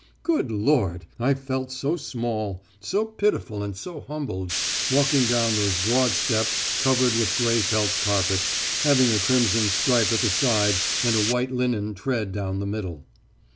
Good Lord! I felt so small, so pitiful and so humbled, walking down those broad steps covered with grey felt carpet, having a crimson stripe at the side and a white linen tread down the middle.